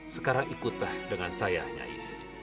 sekarang ikutlah dengan saya